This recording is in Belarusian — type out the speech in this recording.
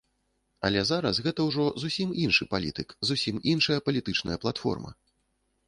Але зараз гэта ўжо зусім іншы палітык, зусім іншая палітычная платформа.